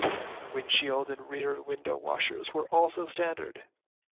Windshield and rear window washers were also standard.